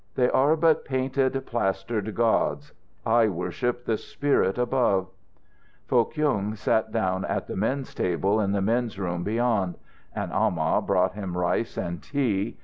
They are but painted, plastered gods. I worship the spirit above." Foh Kyung sat down at the men's table in the men's room beyond. An amah brought him rice and tea.